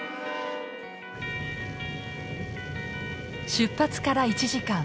出発から１時間。